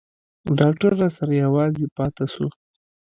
ډاکتر راسره يوازې پاته سو.